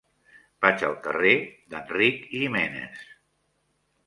Vaig al carrer d'Enric Giménez.